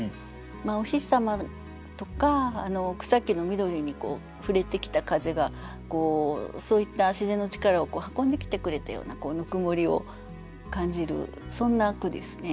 お日様とか草木の緑に触れてきた風がそういった自然の力を運んできてくれたようなぬくもりを感じるそんな句ですね。